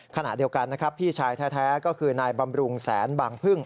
ขณะเดียวกันนะครับพี่ชายแท้ก็คือนายบำรุงแสนบางพึ่ง